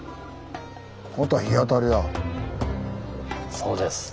そうです。